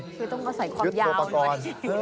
คือต้องอาศัยความยาวนะ